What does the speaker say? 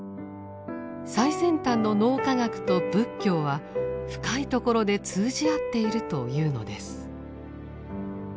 最先端の脳科学と仏教は深いところで通じ合っているというのです。